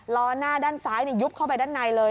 ล้อหน้าด้านซ้ายยุบเข้าไปด้านในเลย